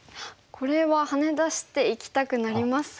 これはハネ出していきたくなりますが。